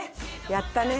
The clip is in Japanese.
やったね！